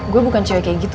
gue bukan cewek kayak gitu